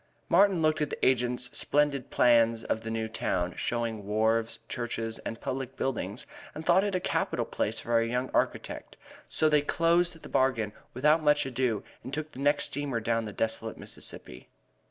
Martin looked at the agent's splendid plans of the new town, showing wharves, churches and public buildings, and thought it a capital place for a young architect; so they closed the bargain without more ado and took the next steamer down the desolate Mississippi.